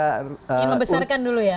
yang membesarkan dulu ya